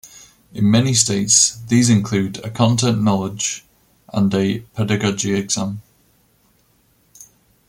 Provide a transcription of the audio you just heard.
In many states, these include a content knowledge and a pedagogy exam.